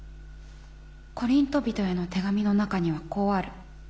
コリント人への手紙の中にはこうある。